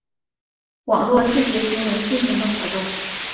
网络自警行为进行的活动。